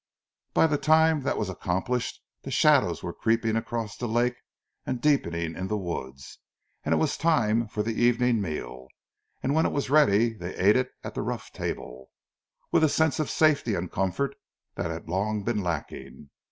By the time that was accomplished the shadows were creeping across the lake and deepening in the woods, and it was time for the evening meal, and when it was ready they ate it at the rough table, with a sense of safety and comfort that had long been lacking.